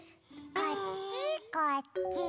こっちこっち。